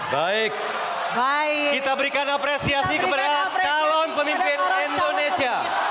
baik kita berikan apresiasi kepada calon pemimpin indonesia